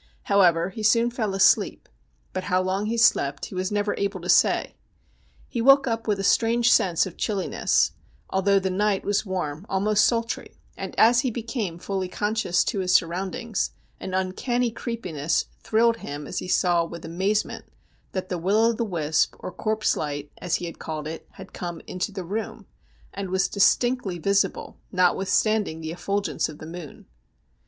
However, he soon fell asleep, but how long he slept he was never able to say. He woke up with a strange sense of chilliness, although the night was warm, almost sultry ; and as he became fully conscious to his surroundings an uncanny creepiness thrilled him as he saw with amazement that the will o' the wisp, or corpse light, as he had called it, had come into the room, and was distinctly visible, notwithstanding the effulgence of the moon.